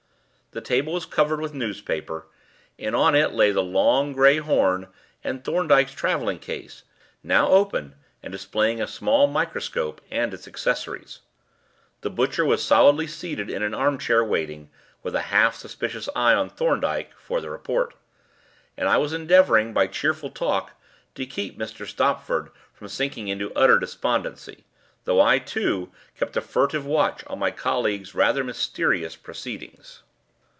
The table was covered with newspaper, and on it lay the long grey horn and Thorndyke's travelling case, now open and displaying a small microscope and its accessories. The butcher was seated solidly in an armchair waiting, with a half suspicious eye on Thorndyke for the report; and I was endeavouring by cheerful talk to keep Mr. Stopford from sinking into utter despondency, though I, too, kept a furtive watch on my colleague's rather mysterious proceedings.